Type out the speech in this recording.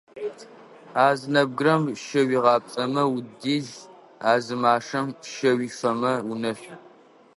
А зы нэбгырэм щэ уигъапцӏэмэ удэл, а зы машэм щэ уифэмэ унэшъу.